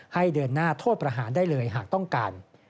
ให้เดินหน้าโทษประหารได้เลยหากต้องการ